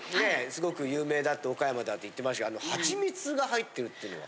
すごく有名だって岡山だって言ってましたけどハチミツが入ってるっていうのは。